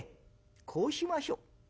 こうしましょう。